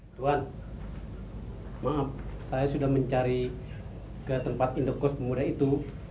tuan maaf saya sudah mencari ke tempat indokos pemuda itu